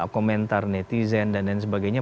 komentar netizen dan lain sebagainya